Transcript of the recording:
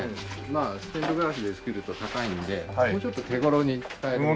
まあステンドグラスで作ると高いのでもうちょっと手頃に使える。